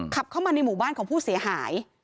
ขับเข้ามาในหมู่บ้านของผู้เสียหาย